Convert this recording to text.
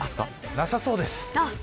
なさそうです。